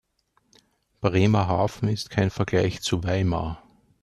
Bremerhaven ist kein Vergleich zu Weimar